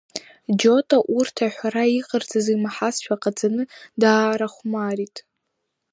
Џьота урҭ аҳәара иҟарҵаз имаҳазшәа ҟаҵаны даарахәмарит…